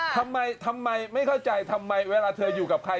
ทำไมทำไมไม่เข้าใจทำไมเวลาเธออยู่กับใคร